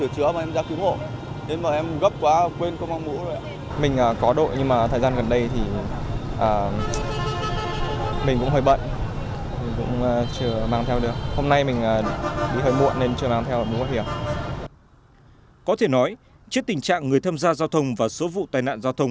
có thể nói trước tình trạng người tham gia giao thông và số vụ tai nạn giao thông